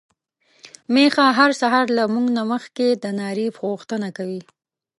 ميښه هر سهار له موږ نه مخکې د ناري غوښتنه کوي.